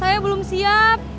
bos saya belum siap